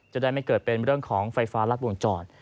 จะได้ไม่เกิดเป็นเรื่องของไฟฟ้ารัดวงจร